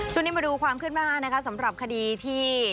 ช่วงนี้มาดูความขึ้นหน้านะคะสำหรับคดีที่